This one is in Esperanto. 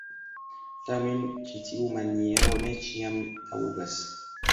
Tamen, ĉi tiu maniero ne ĉiam taŭgas.